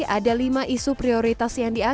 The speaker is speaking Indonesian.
ada lima isu prioritas yang diperlukan